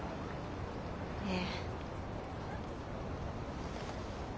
ええ。